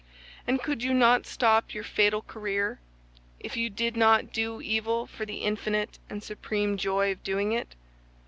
And could you not stop your fatal career, if you did not do evil for the infinite and supreme joy of doing it?